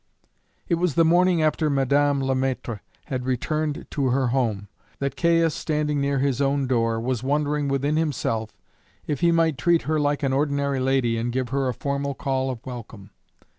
It was the morning after Madame Le Maître had returned to her home that Caius, standing near his own door, was wondering within himself if he might treat her like an ordinary lady and give her a formal call of welcome.